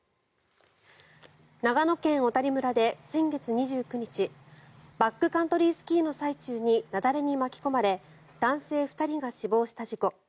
長野県小谷村で先月２９日バックカントリースキーの最中に雪崩に巻き込まれ男性２人が死亡した事故。